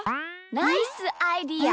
ナイスアイデア！